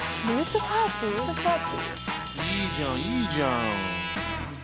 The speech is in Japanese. いいじゃんいいじゃん。